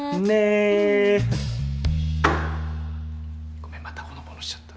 ごめんまたほのぼのしちゃった。